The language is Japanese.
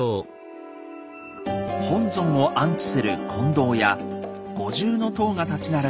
本尊を安置する金堂や五重塔が立ち並ぶ